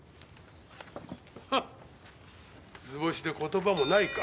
図星で言葉もないか。